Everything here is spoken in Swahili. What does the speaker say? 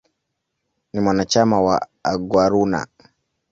Ni mwanachama wa "Aguaruna".